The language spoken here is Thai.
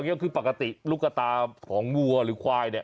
นี่ก็คือปกติรูปกตาของวัวหรือขวาย